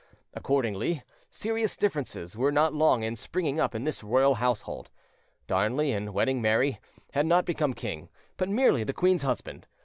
Accordingly, serious differences were not long in springing up in this royal household. Darnley in wedding Mary had not become king, but merely the queen's husband.